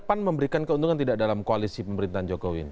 pan memberikan keuntungan tidak dalam koalisi pemerintahan jokowi ini